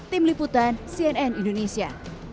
tim liputan cnn indonesia